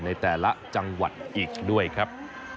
ในแต่ละจังหวัดอีกด้วยครับ